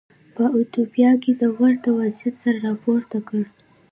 په ایتوپیا کې د ورته وضعیت سر راپورته کړ.